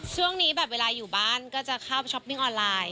ช่วงนี้แบบเวลาอยู่บ้านก็จะเข้าช้อปปิ้งออนไลน์